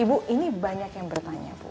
ibu ini banyak yang bertanya bu